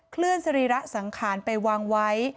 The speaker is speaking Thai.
เลื่อนสรีระสังขารไปวางไว้